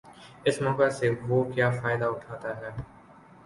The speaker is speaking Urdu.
اس موقع سے وہ کیا فائدہ اٹھاتا ہے۔